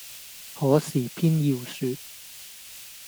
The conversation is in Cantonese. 可是偏要説，